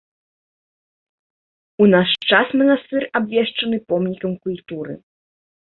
У наш час манастыр абвешчаны помнікам культуры.